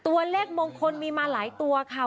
ตัวเลขมงคลมีมาหลายตัวค่ะ